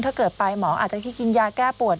ถ้าเกิดไปหมออาจจะคิดกินยาแก้ปวด